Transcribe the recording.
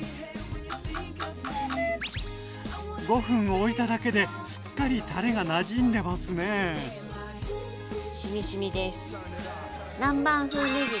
５分おいただけですっかりたれがなじんでますね。